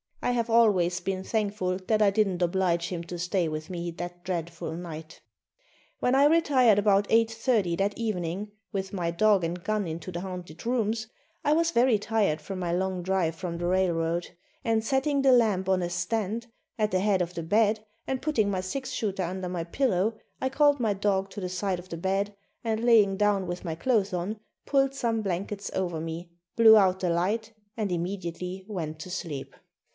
I have always been thankful that I didn't oblige him to stay with me that dreadful night. When I retired, about 8:30 that evening, with my dog and gun into the haunted rooms I was very tired from my long drive from the railroad, and setting the lamp on a stand at the head of the bed and putting my six shooter under my pillow I called my dog to the side of the bed and laying down with my clothes on, pulled some blankets over me, blew out the light and immediately went to sleep.